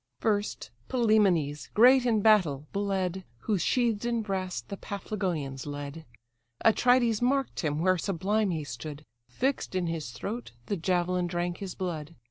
First, Pylæmenes, great in battle, bled, Who sheathed in brass the Paphlagonians led. Atrides mark'd him where sublime he stood; Fix'd in his throat the javelin drank his blood.